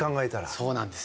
そうなんです。